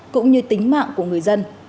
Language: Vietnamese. cũng như tính mạng của người dân